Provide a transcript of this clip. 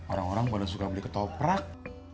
orang orang pada suka beli ketoprak